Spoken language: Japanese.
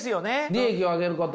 利益を上げること。